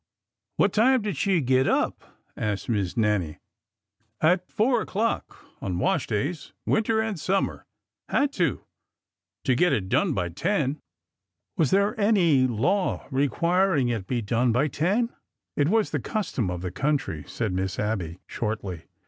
"What time did she get up?" asked Miss Nannie. " At four o'clock— on wash days— winter and summer. Had to, to get it done by ten." DOMESTIC ECONOMY 73 '' Was there any law requiring it to be done by ten ?'' It was the custom of the country/' said Miss Abby, shortly.